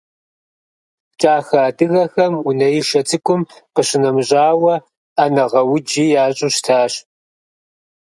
КӀахэ адыгэхэм унэишэ цӀыкӀум къищынэмыщӀауэ, Ӏэнэгъэуджи ящӀу щытащ.